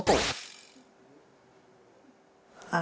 はい。